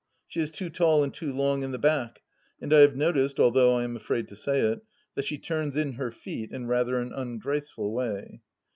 She is too tall and too long in the back; and I have noticed, although I am afraid to say it, that she turns in her feet in rather an ungraceful way.